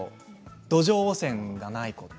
土壌汚染がないこと。